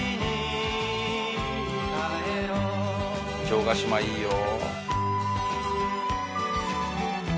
城ヶ島いいよ。